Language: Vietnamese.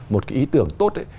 một cái ý tưởng tốt